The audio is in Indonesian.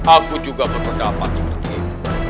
aku juga berpendapat seperti itu